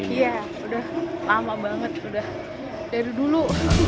iya udah lama banget udah dari dulu